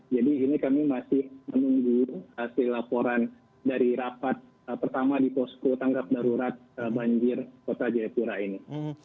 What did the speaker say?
jadi ini kami masih menunggu hasil laporan dari rapat pertama di posko tanggap darurat banjir kota jerepura ini